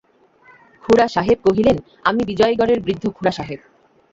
খুড়াসাহেব কহিলেন, আমি বিজয়গড়ের বৃদ্ধ খুড়াসাহেব।